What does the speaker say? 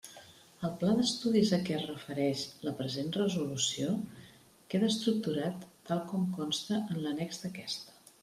El pla d'estudis a què es refereix la present resolució queda estructurat tal com consta en l'annex d'aquesta.